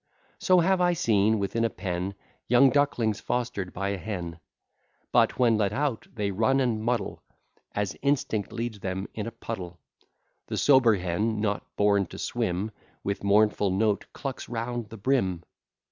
So have I seen, within a pen, Young ducklings foster'd by a hen; But, when let out, they run and muddle, As instinct leads them, in a puddle; The sober hen, not born to swim, With mournful note clucks round the brim.